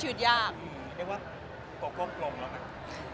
เรียกว่าโปร่งแล้วนะ